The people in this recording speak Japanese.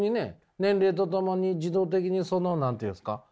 年齢とともに自動的にその何て言うんですか？